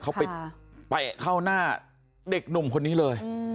เขาไปเตะเข้าหน้าเด็กหนุ่มคนนี้เลย